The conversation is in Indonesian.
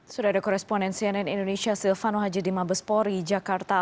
sudah ada koresponen cnn indonesia silvano haji dimabespori jakarta